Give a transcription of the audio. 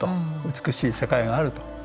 美しい世界があると。